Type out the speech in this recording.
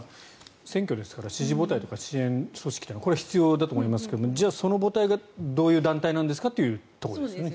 選挙ですから支持母体、支援組織というのはこれは必要だと思いますがじゃあ、その母体がどういう団体なんですかというところですね。